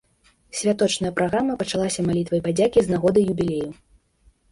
Святочная праграма пачалася малітвай падзякі з нагоды юбілею.